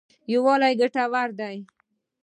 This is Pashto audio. یوالی ګټور دی.